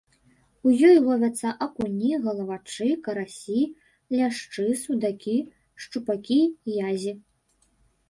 У ёй ловяцца акуні, галавачы, карасі, ляшчы, судакі, шчупакі, язі.